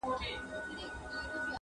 د هر ښار په جنایت کي به شامل وو-